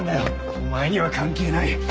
お前には関係ない。